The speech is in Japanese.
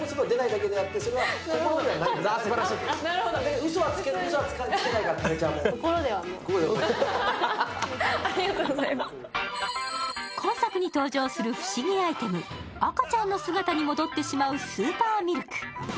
うそはつけないから、多部ちゃんも今作に登場する不思議アイテム、赤ちゃんの姿に戻ってしまうスーパーミルク。